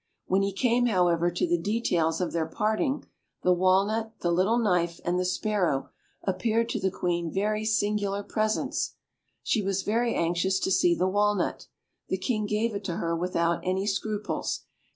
When he came, however, to the details of their parting, the walnut, the little knife, and the sparrow appeared to the Queen very singular presents. She was very anxious to see the walnut: the King gave it to her without any scruples.